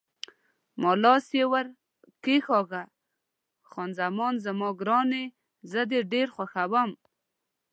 ما لاس یې ور کښېکاږه: خان زمان زما ګرانې، زه دې ډېر خوښوم.